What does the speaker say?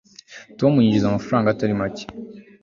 tom yinjiza amafaranga atari make